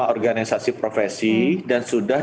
organisasi profesi dan sudah